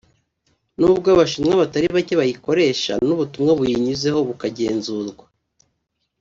n’ubwo Abashinwa batari bake bayikoresha n’ubutumwa buyinyuzeho bukagenzurwa